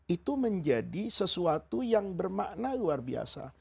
itu menjadi sesuatu yang bermakna luar biasa